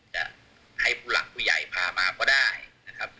จะให้ผู้หลักผู้ใหญ่พามาก็ได้นะครับ